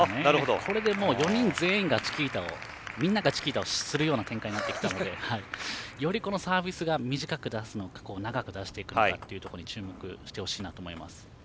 これで４人全員がチキータをするような展開になってきたのでよりサービスが短く出すのと長く出していくところに注目してほしいなと思います。